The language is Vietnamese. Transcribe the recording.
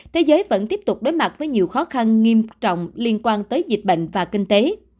thế giới vẫn tiếp tục đối mặt với nhiều khó khăn nghiêm trọng liên quan tới dịch bệnh và kinh tế